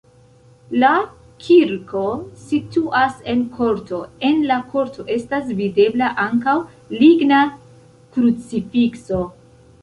La kirko situas en korto, en la korto estas videbla ankaŭ ligna krucifikso.